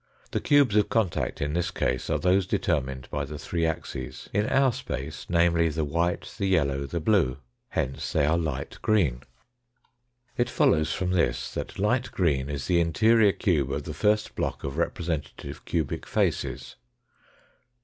The cubes of contact in this case are those determinal by the three axes^in our space, namely, the white, the yellow, the blue. Hence they are light green. It follows from this that light green is the interior cube of the first block of representative cubic faces.